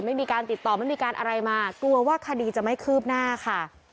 ไม่มีการติดต่อไม่มีการอะไรมากลัวว่าคดีจะไม่คืบหน้าค่ะ